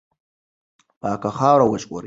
پاکه خاوره وژغوره.